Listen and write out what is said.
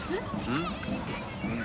うん。